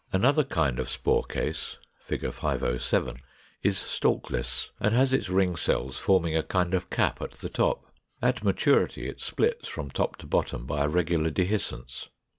Another kind of spore case (Fig. 507) is stalkless, and has its ring cells forming a kind of cap at the top: at maturity it splits from top to bottom by a regular dehiscence.